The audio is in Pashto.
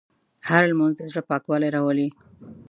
هره لمونځ د زړه پاکوالی راولي.